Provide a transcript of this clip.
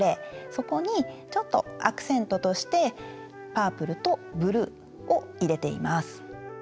そこにちょっとアクセントとしてパープルとブルーを入れています。